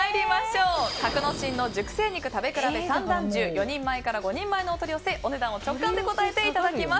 格之進の熟成肉食べ比べ三段重４人前から５人前のお取り寄せお値段を直感でお答えいただきます。